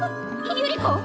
百合子！？